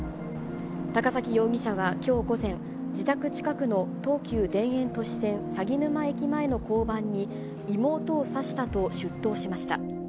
高崎容疑者はきょう午前、自宅近くの東急田園都市線鷺沼駅前の交番に、妹を刺したと出頭しました。